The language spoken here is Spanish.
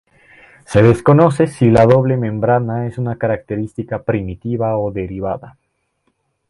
Se desconoce si la doble membrana es una característica primitiva o derivada.